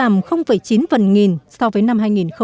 chín phần nghìn so với năm hai nghìn một mươi bốn